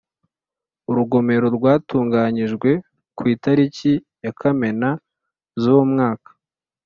Urugomero rwatunganyijwe ku itariki ya Kamena z uwo mwaka